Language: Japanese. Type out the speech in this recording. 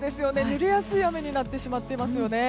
ぬれやすい雨になってしまっていますよね。